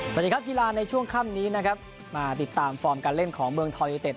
สวัสดีครับกีฬาในช่วงค่ำนี้นะครับมาติดตามฟอร์มการเล่นของเมืองทอยูเต็ด